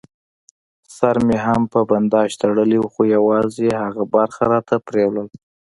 سر مې هم په بنداژ تړلی و، خو یوازې یې هغه برخه راته پرېولل.